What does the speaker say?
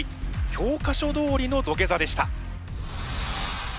教科書どおりの土下座でした。